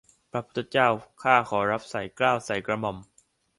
พระพุทธเจ้าข้าขอรับใส่เกล้าใส่กระหม่อม